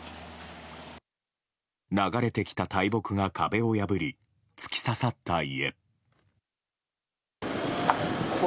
流れてきた大木が壁を破り突き刺さった家。